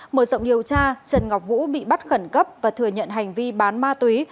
mở rộng điều tra trần ngọc vũ bị bắt khẩn cấp và thừa nhận hành vi bán ma túy